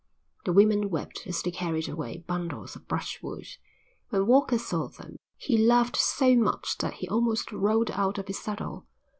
The women wept as they carried away bundles of brushwood. When Walker saw them he laughed so much that he almost rolled out of his saddle.